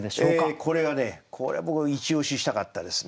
これはねこれは僕一押ししたかったですね。